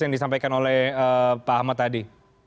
yang disampaikan oleh pak ahmad tadi